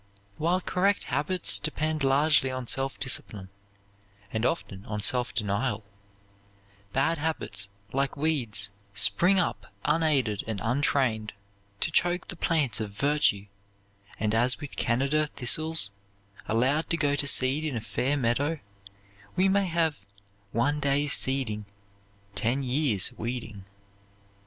While correct habits depend largely on self discipline, and often on self denial, bad habits, like weeds, spring up, unaided and untrained, to choke the plants of virtue and as with Canada thistles, allowed to go to seed in a fair meadow, we may have "one day's seeding, ten years' weeding."